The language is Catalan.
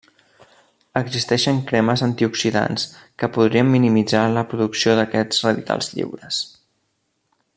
Existeixen cremes antioxidants que podrien minimitzar la producció d'aquests radicals lliures.